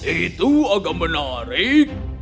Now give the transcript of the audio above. itu agak menarik